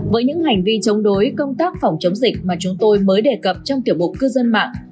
với những hành vi chống đối công tác phòng chống dịch mà chúng tôi mới đề cập trong tiểu mục cư dân mạng